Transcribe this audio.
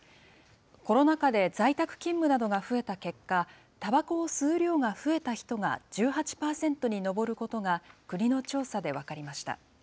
コロナ禍で在宅勤務などが増えた結果、タバコを吸う量が増えた人が１８％に上ることが、国の調査で分かりました。